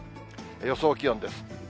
予想気温です。